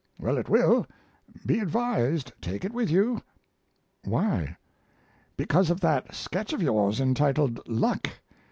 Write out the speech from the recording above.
"Well, it will. Be advised. Take it with you." "Why?" "Because of that sketch of yours entitled 'Luck.'